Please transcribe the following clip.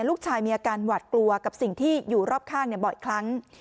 ลูกชายมีอาการหวัดกลัวกับสิ่งที่อยู่รอบข้างบ่อยครั้ง